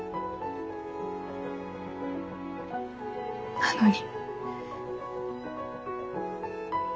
なのに。